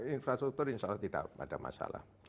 infrastruktur insya allah tidak ada masalah